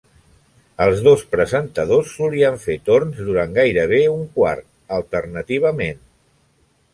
Els dos presentadors solien fer torns durant gairebé un quart, alternativament.